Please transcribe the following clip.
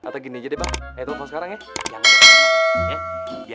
atau gini aja deh bang ayo tolong sekarang ya